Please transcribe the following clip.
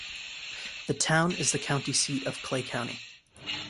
The town is the county seat of Clay County.